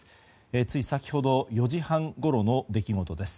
つい先ほど４時半ごろの出来事です。